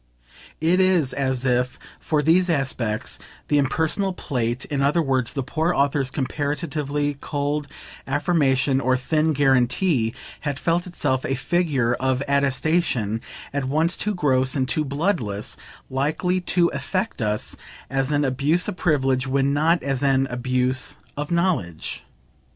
It is as if, for these aspects, the impersonal plate in other words the poor author's comparatively cold affirmation or thin guarantee had felt itself a figure of attestation at once too gross and too bloodless, likely to affect us as an abuse of privilege when not as an abuse of knowledge.